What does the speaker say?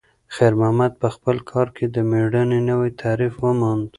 خیر محمد په خپل کار کې د میړانې نوی تعریف وموند.